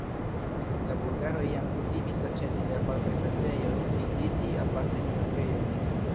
La bulgaroj jam kutimis aĉeti de apartaj vendejoj, viziti apartajn kafejojn.